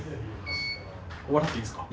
笑っていいですか？